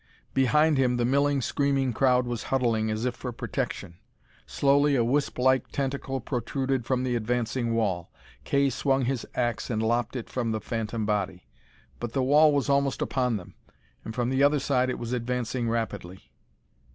Behind him the milling, screaming crowd was huddling, as if for protection. Slowly a wisp like tentacle protruded from the advancing wall. Kay swung his ax and lopped it from the phantom body. But the wall was almost upon them, and from the other side it was advancing rapidly.